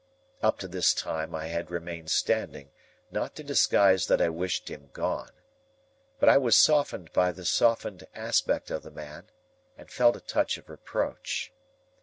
Up to this time I had remained standing, not to disguise that I wished him gone. But I was softened by the softened aspect of the man, and felt a touch of reproach.